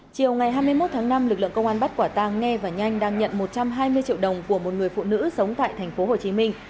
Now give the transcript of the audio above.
chiều ngày hai mươi một tháng năm lực lượng công an bắt quả tang nghe và nhanh đang nhận một trăm hai mươi triệu đồng của một người phụ nữ sống tại thành phố hồ chí minh